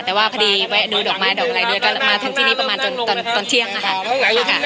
แต่ว่าพอดีแวะดูดอกไม้ดอกอะไรด้วยก็มาถึงที่นี่ประมาณจนตอนเที่ยงค่ะ